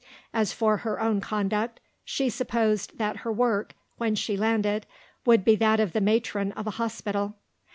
As for her own conduct, she supposed that her work, when she landed, would be that of the matron of a hospital.